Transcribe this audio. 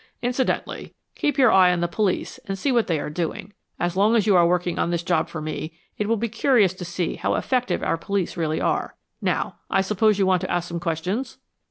Incidentally, keep your eye on the police and see what they are doing. As long as you are working on this job for me, it will be curious to see just how effective our police really are. Now, I suppose you want to ask some questions."